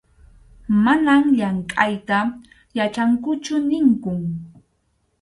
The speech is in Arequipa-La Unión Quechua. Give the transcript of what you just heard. Manam llamkʼayta yachankuchu ninkun.